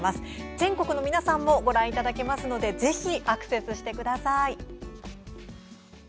全国の皆さんもご覧いただけますのでぜひアクセスしてください。